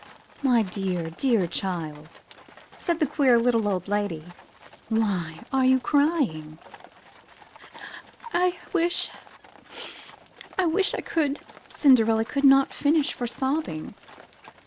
''My dear, dear child," said the queer little old lady, "why are you crying?'' *'I wish — I wish I could —," Cinderella could not finish for sobbing.